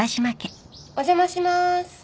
お邪魔します。